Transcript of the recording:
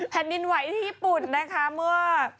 แผ่นดินไหวที่ญี่ปุ่นนะคะเมื่อ